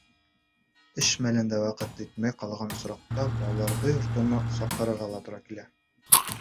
Эш мәлендә ваҡыт етмәй ҡалған осраҡта балаларҙы йортона саҡырырға ла тура килә.